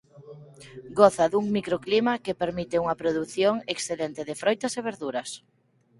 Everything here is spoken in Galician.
Goza dun microclima que permite unha produción excelente de froitas e verduras.